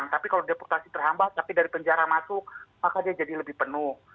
tapi kalau deputasi terhambat tapi dari penjara masuk maka dia jadi lebih penuh